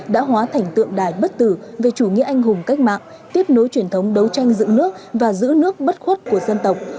đã hóa thành tượng đài bất tử về chủ nghĩa anh hùng cách mạng tiếp nối truyền thống đấu tranh dựng nước và giữ nước bất khuất của dân tộc